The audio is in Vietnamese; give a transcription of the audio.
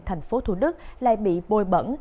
thành phố thủ đức lại bị bồi bẩn